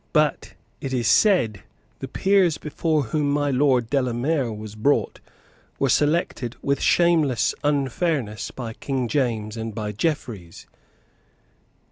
But, it is said, the peers before whom my Lord Delamere was brought were selected with shameless unfairness by King James and by Jeffreys.